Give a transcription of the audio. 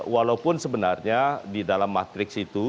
walaupun sebenarnya di dalam matriks itu